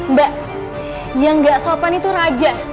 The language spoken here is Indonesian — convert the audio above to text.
mbak yang gak sopan itu raja